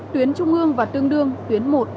tuyến trung ương và tương đương tuyến một